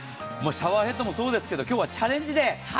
シャワーヘッドもそうですけど今日はチャレンジデー。